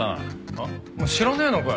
お前知らねえのかよ？